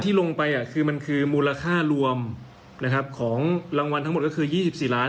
ที่ลงไปคือมันคือมูลค่ารวมนะครับของรางวัลทั้งหมดก็คือ๒๔ล้าน